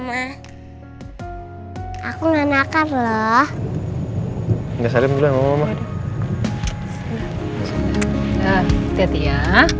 jangan nakal lo di kantor papa ya